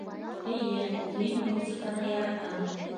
Эйе, мин музыканы яратам